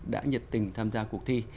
đã nhiệt tình tham gia cuộc thi